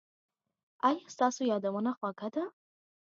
ایا ستاسو یادونه خوږه ده؟